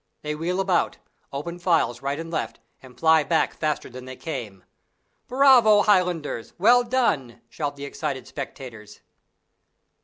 They wheel about, open files right and left, and fly back faster than they came. "Bravo, Highlanders! well done!" shout the excited spectators.